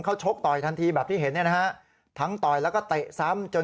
เขาชกต่อยทันทีแบบที่เห็นเนี่ยนะฮะทั้งต่อยแล้วก็เตะซ้ำจน